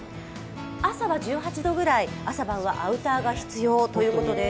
朝は１８度ぐらい、朝晩はアウターが必要ということです。